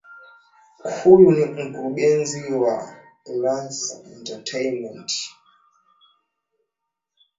huyu ni mkurugenzi wa claus entertainment